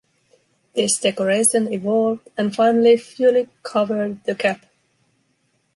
This decoration evolved and finally fully covered the cap.